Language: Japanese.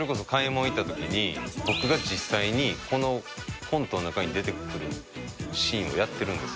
僕が実際にこのコントの中に出てくるシーンをやってるんです